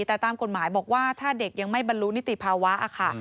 แต่ตามกฎหมายบอกว่าถ้าเด็กยังไม่บรรลุนิติภาวะค่ะ